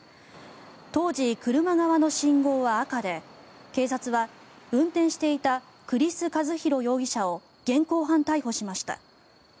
当時、車側の信号は赤で警察は運転していた栗栖一弘容疑者を現行犯逮捕しました。